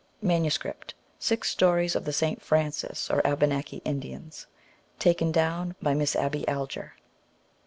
Manuscript: Six Stories of the St. Francis or Abenaki Indians. Taken down by Miss Abby Alger.